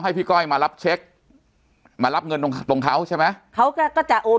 พี่ก้อยมารับเช็คมารับเงินตรงตรงเขาใช่ไหมเขาก็ก็จะโอน